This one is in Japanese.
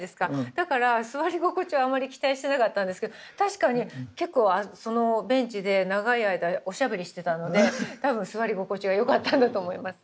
だから座り心地はあんまり期待してなかったんですけど確かに結構そのベンチで長い間おしゃべりしてたので多分座り心地はよかったんだと思います。